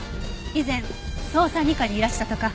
以前捜査二課にいらしたとか。